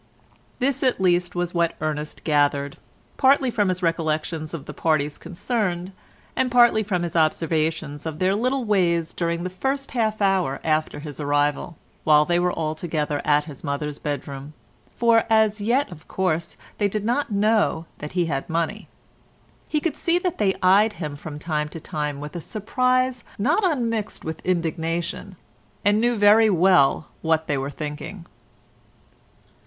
This at least was what Ernest gathered, partly from his recollections of the parties concerned, and partly from his observation of their little ways during the first half hour after his arrival, while they were all together in his mother's bedroom—for as yet of course they did not know that he had money. He could see that they eyed him from time to time with a surprise not unmixed with indignation, and knew very well what they were thinking.